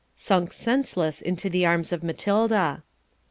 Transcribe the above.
sunk senseless into the arms of Matilda.